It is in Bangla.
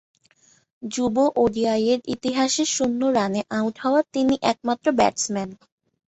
যুব ওডিআইয়ের ইতিহাসে শূন্য রানে আউট হওয়া তিনিই একমাত্র ব্যাটসম্যান।